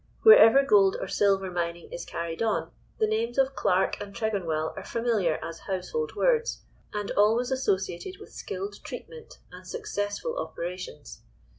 "Wherever gold or silver mining is carried on the names of Clarke and Tregonwell are familiar as 'household words' and always associated with skilled treatment and successful operations.